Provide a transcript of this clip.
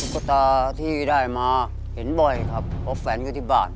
คุณตาที่ได้มาเห็นบ่อยครับเพราะแฟนอยู่ที่บ้าน